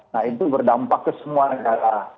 nah itu berdampak ke semua negara